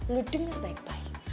lo denger baik baik